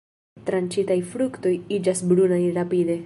Tranĉitaj fruktoj iĝas brunaj rapide.